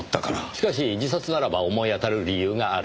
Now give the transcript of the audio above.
しかし自殺ならば思い当たる理由がある。